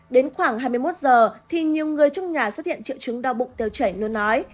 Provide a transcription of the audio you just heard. đến khoảng hai mươi một giờ thì nhiều người trong nhà xuất hiện triệu chứng đau bụng tiêu chảy nôn nói